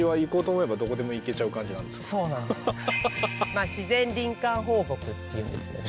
まあ自然林間放牧っていうんですよね